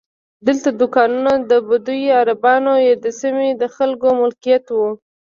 دلته دوکانونه د بدوي عربانو یا د سیمې د خلکو ملکیت وو.